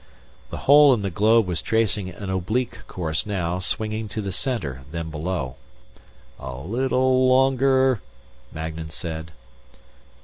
The hole in the globe was tracing an oblique course now, swinging to the center, then below. "A little longer," Magnan said.